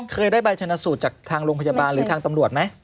เคยได้ใบชนสูตรจากทางโรงพยาบาลหรือทางตำรวจไหม